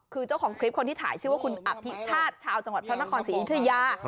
คือเจ้าของคลิปคนที่ถ่ายชื่อว่าคุณอภิชาติชาวจังหวัดพระนครศรีอยุธยา